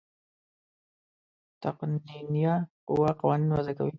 تقنینیه قوه قوانین وضع کوي.